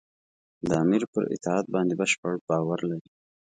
د امیر پر اطاعت باندې بشپړ باور لري.